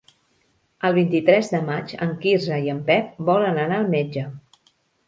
El vint-i-tres de maig en Quirze i en Pep volen anar al metge.